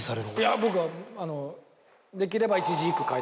いや僕はできれば。